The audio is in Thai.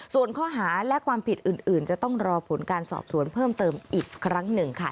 ส่วนข้อหาและความผิดอื่นจะต้องรอผลการสอบสวนเพิ่มเติมอีกครั้งหนึ่งค่ะ